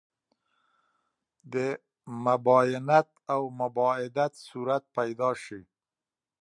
د مباینت او مباعدت صورت پیدا شي.